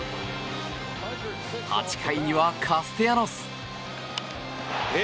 ８回にはカステヤノス。